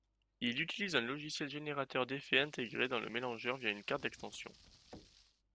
Il utilise un logiciel générateur d'effets intégré dans le mélangeur via une carte d'extension.